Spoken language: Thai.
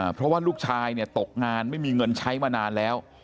เพราะว่าลูกชายเนี่ยตกงานไม่มีเงินใช้มานานแล้ว